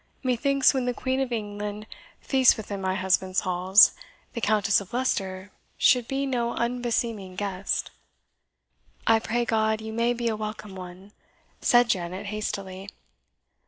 Methinks, when the Queen of England feasts within my husband's halls, the Countess of Leicester should be no unbeseeming guest." "I pray God you may be a welcome one!" said Janet hastily.